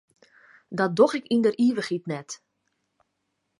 Dat doch ik yn der ivichheid net.